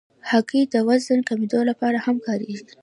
هګۍ د وزن کمېدو لپاره هم کارېږي.